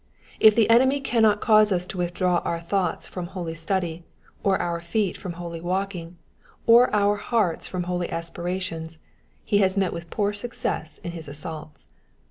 If the enemy cannot cause us to withdraw our thoughts from holy study, or our feet from holy walking, or our hearts from holy aspirations, he has met with poor success in his assaults.